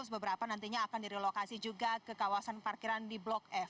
beberapa nantinya akan direlokasi juga ke kawasan parkiran di blok f